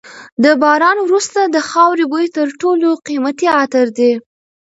د باران وروسته د خاورې بوی تر ټولو قیمتي عطر دی.